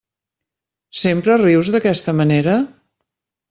Sempre rius d'aquesta manera?